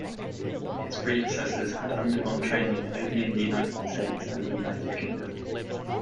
His predecessors had undergone training only in the United States and the United Kingdom.